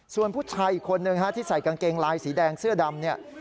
ส่วนผู้ชายอีกคนนึงที่ใส่กางเกงลายสีแดงเสื้อดำเนี่ย